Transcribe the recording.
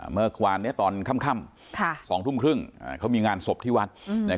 เมื่อวานตอนค่ำ๒ทุ่มครึ่งเขามีงานศพที่วัด